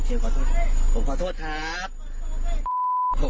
ผมขอโทษครับ